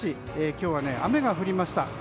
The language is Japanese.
今日は雨が降りました。